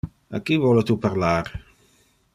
A qui vole tu parlar?